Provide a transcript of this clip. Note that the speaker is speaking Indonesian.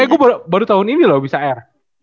eh gue baru tahun ini loh abis r